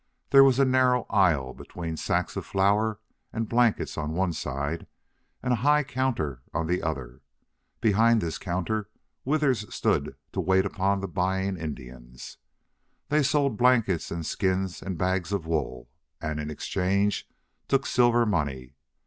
There was a narrow aisle between sacks of flour and blankets on one side and a high counter on the other. Behind this counter Withers stood to wait upon the buying Indians. They sold blankets and skins and bags of wool, and in exchange took silver money.